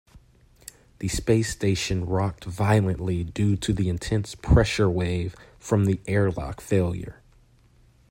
The space station rocked violently due to the intense pressure wave from the airlock failure.